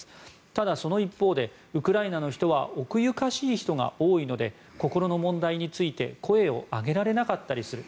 ただ、その一方でウクライナの人は奥ゆかしい人が多いので心の問題について声を上げられなかったりする。